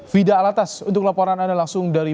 fida alatas untuk laporan anda langsung dari